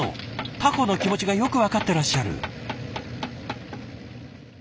タコの気持ちがよく分かってらっしゃる。